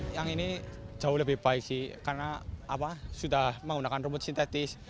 yang ini jauh lebih baik sih karena sudah menggunakan rumput sintetis